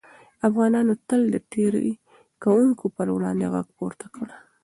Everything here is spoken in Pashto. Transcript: افغانانو تل د تېري کوونکو پر وړاندې غږ پورته کړی.